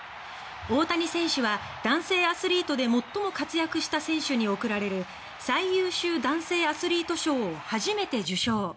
大谷選手は、男性アスリートで最も活躍した選手に贈られる最優秀男性アスリート賞を初めて受賞！